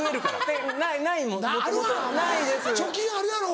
貯金あるやろ。